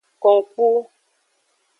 Konkpu.